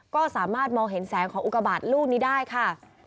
ก็สามารถมองเห็นแสงของอุกบาทลูกนี้ได้ค่ะ